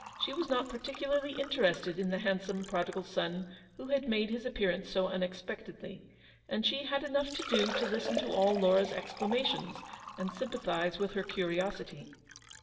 She was not particularly interested in the handsome prodigal son who had made his appearance so unexpectedly ; and she had enough to do to listen to all Laura's exclamations, and sympathise with her curiosity.